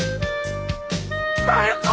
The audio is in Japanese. まる子！